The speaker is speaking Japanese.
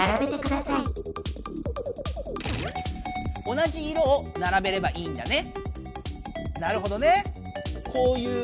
同じ色をならべればいいんだね。